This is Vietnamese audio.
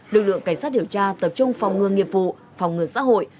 lực lượng cảnh sát điều tra tập trung phòng ngừa nghiệp vụ phòng ngừa xã hội